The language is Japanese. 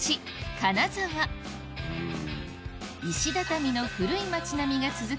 金沢石畳の古い町並みが続く